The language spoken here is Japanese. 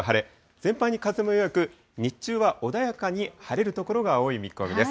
全般に風も弱く、日中は穏やかに晴れる所が多い見込みです。